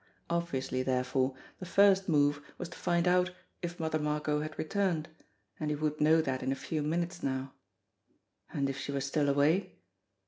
Obviously, therefore, the first move was to find out if Mother Margot had returned, and he would know that in a few minutes now. And if she were still away?